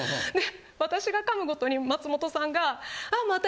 で私が噛むごとに松本さんが。